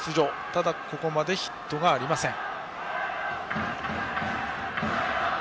ただ、ここまでヒットがありません。